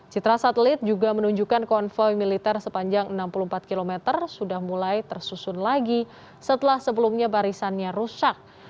citra satelit juga menunjukkan konvoy militer sepanjang enam puluh empat km sudah mulai tersusun lagi setelah sebelumnya barisannya rusak